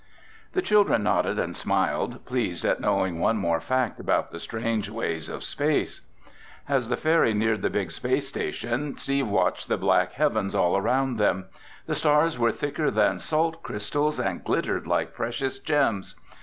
The children nodded and smiled, pleased at knowing one more fact about the strange ways of space. As the ferry neared the big space station, Steve watched the black heavens all around them. The stars were thicker than salt crystals and glittered like precious gems.